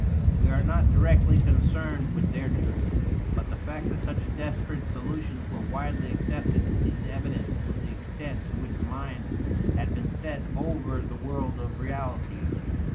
We are not directly concerned with their truth; but the fact that such desperate solutions were widely accepted is evidence of the extent to which mind had been set over the world of realities.